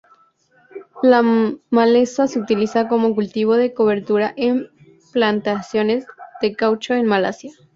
La maleza se utiliza como cultivo de cobertura en plantaciones de caucho en Malasia.